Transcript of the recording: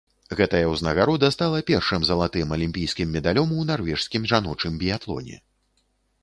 Гэтая ўзнагарода стала першым залатым алімпійскім медалём у нарвежскім жаночым біятлоне.